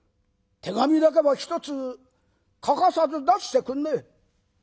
手紙だけはひとつ欠かさず出してくんねえ」。